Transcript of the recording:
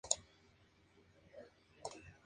Es posible adquirir un apartamento con Bs.